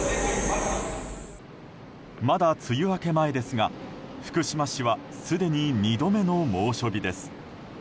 まだ梅雨明け前ですが福島市はすでに２度目の猛暑日です。